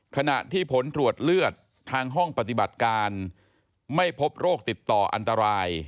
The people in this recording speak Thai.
ขณะที่ผลตรวจเลือดทางห้องปฏิบัติการไม่พบโรคติดต่ออันตราย